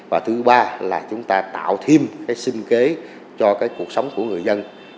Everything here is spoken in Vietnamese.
và thứ ba là chúng ta tạo thêm sinh kế cho cuộc sống của người dân